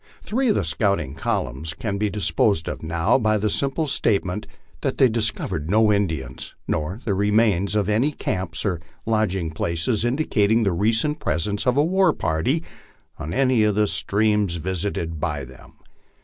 Three of the scouting columns can be disposed of now by the simple state ment that they discovered no Indians, nor the remains of any camps or lodging places indicating the recent presence of a war party on any of the streams vis ited by them.